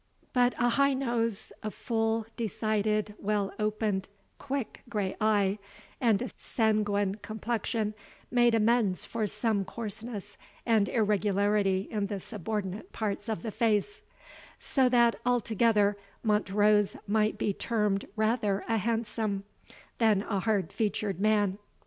But a high nose, a full, decided, well opened, quick grey eye, and a sanguine complexion, made amends for some coarseness and irregularity in the subordinate parts of the face; so that, altogether, Montrose might be termed rather a handsome, than a hard featured man.